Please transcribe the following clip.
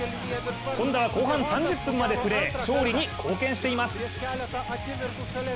本田は後半３０分までプレー、勝利に貢献しています。